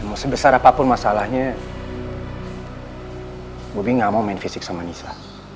mau sebesar apapun masalahnya bobi gak mau main fisik sama nisa